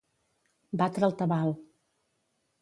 Batre el tabal.